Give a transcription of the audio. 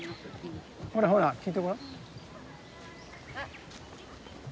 ほらほら聞いてごらん。